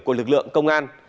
của lực lượng công an